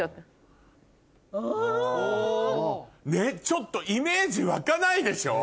ちょっとイメージ湧かないでしょ？